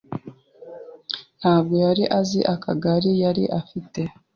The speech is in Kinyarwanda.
Ntabwo yari azi akaga yari afite.